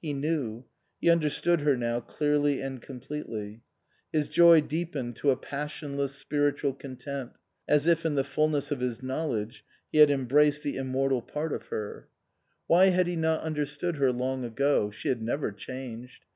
He knew. He understood her now, clearly and completely. His joy deepened to a passionless spiritual content ; as if in the fulness of his knowledge he had embraced the immortal part of her. 198 OUTWARD BOUND Why had he not understood her long ago ? She had never changed.